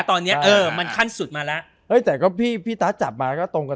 ตอนนี้เออมันขั้นสุดมาแล้วเฮ้ยแต่ก็พี่พี่ตั๊ดจับมาก็ตรงกัน